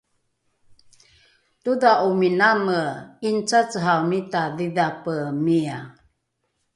todha’ominame ’inicacehaemita dhidhape mia